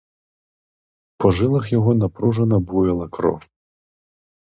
По жилах його напружено буяла кров.